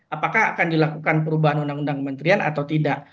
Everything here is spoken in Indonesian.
apakah akan dilakukan perubahan undang undang kementerian atau tidak